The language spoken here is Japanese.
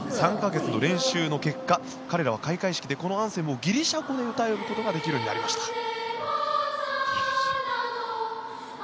３か月の練習の結果彼らは開会式でこのアンセムをギリシャ語で歌うことができるようになりました。